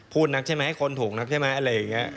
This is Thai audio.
นักใช่ไหมคนถูกนักใช่ไหมอะไรอย่างนี้